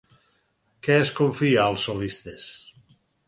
Què es confia als solistes?